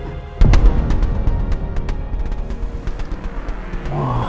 tidak ada nomornya